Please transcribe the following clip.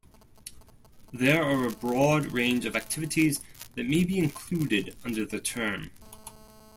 There are a broad range of activities that may be included under the term.